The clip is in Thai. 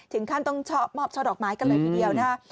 ถึงขั้นต้องชอบมอบช่อดอกไม้กันเลยทีเดียวนะฮะ